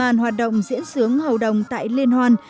mở màn hoạt động diễn xướng hậu đồng tại liên hoàn